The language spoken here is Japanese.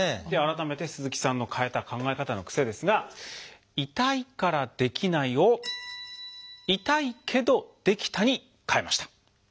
では改めて鈴木さんの変えた考え方の癖ですが「痛いからできない」を「痛いけどできた」に変えました。